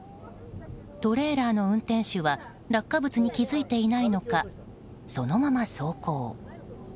トレーラーの運転手は落下物に気づいていないのかそのまま走行。